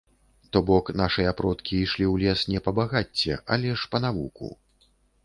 То бок нашыя продкі ішлі ў лес не па багацце, але ж па навуку.